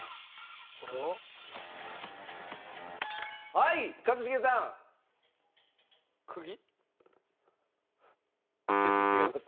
はい一茂さん。全然違います。